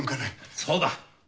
そうだ。